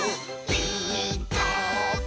「ピーカーブ！」